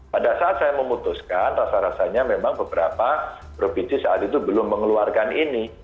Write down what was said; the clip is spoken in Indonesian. pada saat saya memutuskan rasa rasanya memang beberapa provinsi saat itu belum mengeluarkan ini